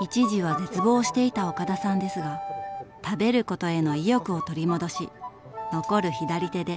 一時は絶望していた岡田さんですが食べることへの意欲を取り戻し残る左手で再び台所に立つようになったのです。